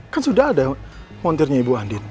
kan sudah ada montirnya ibu andin